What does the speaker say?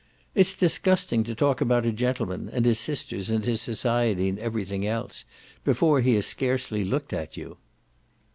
"It's disgusting to talk about a gentleman and his sisters and his society and everything else before he has scarcely looked at you."